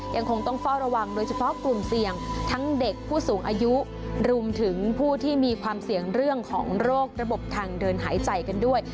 ยังคงต้องเฝ้าระวังโดยเฉพาะกลุ่มเสี่ยงทั้งเด็กผู้สูงอายุรวมถึงผู้ที่มีความเสี่ยงเรื่องของโรคระบบทางเดินหายใจกันด้วย